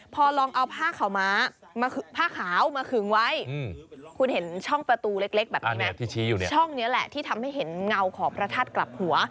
พอลองเอาผ้าขาวม้าผ้าขาวมาขึงไว้คุณเห็นช่องประตูเล็กแบบนี้ไหมช่องนี้แหละที่ทำให้เห็นเงาของพระธาตุกลับหัว